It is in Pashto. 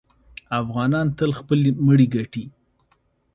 افغانان تل خپل مړی ګټي.